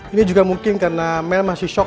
ini juga mungkin karena mel masih shock